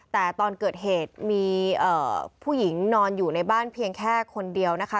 แต่ตอนเกิดเหตุมีผู้หญิงนอนอยู่ในบ้านเพียงแค่คนเดียวนะคะ